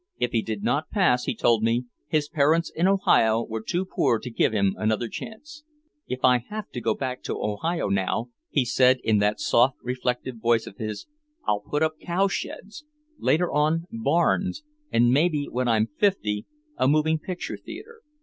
If he did not pass, he told me, his parents in Ohio were too poor to give him another chance. "If I have to go back to Ohio now," he said in that soft reflective voice of his, "I'll put up cowsheds later on, barns and maybe when I'm fifty, a moving picture theater.